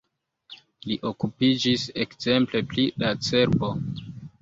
Li okupiĝis ekzemple pri la cerbo.